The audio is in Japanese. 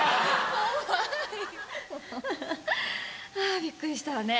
あびっくりしたわね。